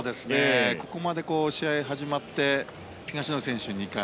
ここまで試合が始まって東野選手が２回